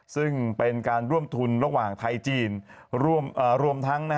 ซึ่งเป็นการร่วมทุนระหว่างไทยจีนรวมทั้ง